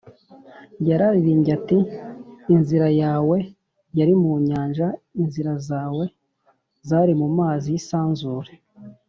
yararirimbye ati: “inzira yawe yari mu nyanja, inzira zawe zari mu mazi y’isanzure,